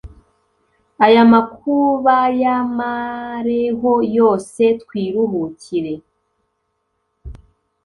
aya makub' ayamareho yose twiruhukire.